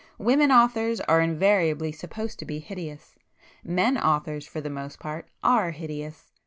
Women authors are invariably supposed to be hideous,—men authors for the most part are hideous.